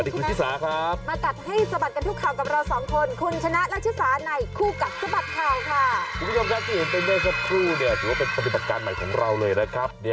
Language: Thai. คุณผู้ชมที่เห็นเป็นเจ้าช่องครูถือว่าเป็นปฏิบัติการใหม่ของเราเลยนะครับ